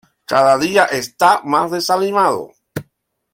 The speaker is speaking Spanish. Cada día está más desanimado.